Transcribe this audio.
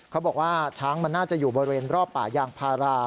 เขาบอกว่าช้างมันน่าจะอยู่บริเวณรอบป่ายางพารา